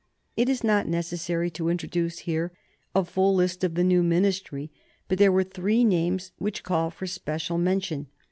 It is not necessary to introduce here a full list of the new Ministry, but there are three names which call for special mention.